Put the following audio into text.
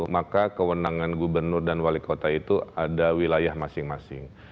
maka kewenangan gubernur dan wali kota itu ada wilayah masing masing